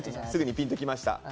すぐにピンときました。